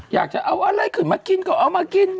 อยากจะเอาอะไรกินก็เอามากิน